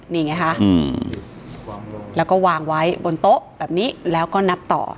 นี่ไงคะแล้วก็วางไว้บนโต๊ะแบบนี้แล้วก็นับต่อ